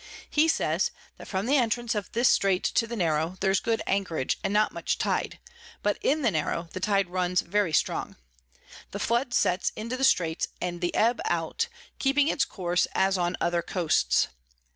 He says, that from the Entrance of this Strait to the Narrow there's good Anchorage, and not much Tide, but in the Narrow the Tide runs very strong. The Flood sets into the Straits, and the Ebb out, keeping its Course as on other Coasts.